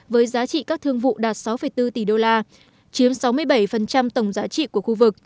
với giá trị các thương vụ đạt sáu bốn tỷ đô la chiếm sáu mươi bảy tổng giá trị của khu vực